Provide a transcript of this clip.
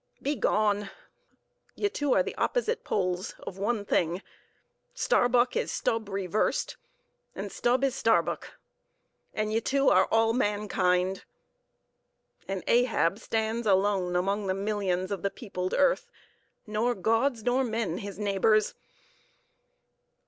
Begone! Ye two are the opposite poles of one thing. Starbuck is Stubb reversed, and Stubb is Starbuck; and ye two are all mankind; and Ahab stands alone among the millions of the peopled earth, nor gods nor men his neighbors!